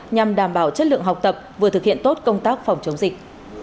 nhằm đảm bảo chất lượng học tập vừa thực hiện tốt công tác phòng chống dịch